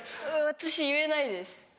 私言えないです。